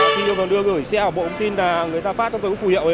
khi đưa gửi xe ở bộ thông tin là người ta phát cho tôi phù hiệu đấy